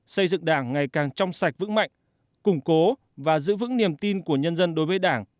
xây dựng đảng ngày càng trong sạch vững mạnh củng cố và giữ vững niềm tin của nhân dân đối với đảng